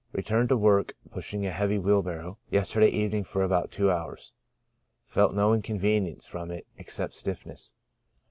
— Returned to work (pushing a heavy wheelbarrow) yesterday evening, for about two hours ; felt no incon venience from it except stiffness.